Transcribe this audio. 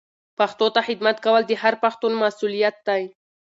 پښتو ته خدمت کول د هر پښتون مسولیت دی.